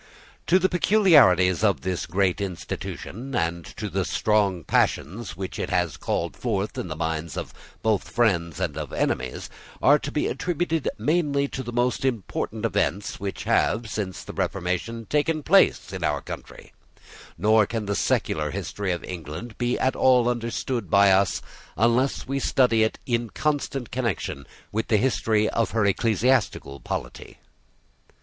To the peculiarities of this great institution, and to the strong passions which it has called forth in the minds both of friends and of enemies, are to be attributed many of the most important events which have, since the Reformation, taken place in our country; nor can the secular history of England be at all understood by us, unless we study it in constant connection with the history of her ecclesiastical polity.